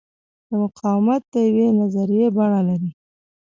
دا مقاومت د یوې نظریې بڼه لري.